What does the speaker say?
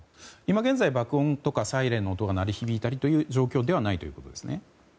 今現在爆音とかサイレンの音が鳴り響く状況ではないということですね。